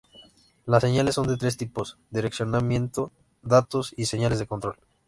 Las señales son de tres tipos: direccionamiento, datos y señales de control.